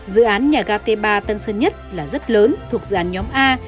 dự án nhà ga t ba tân sơn nhất là rất lớn thuộc dàn nhóm a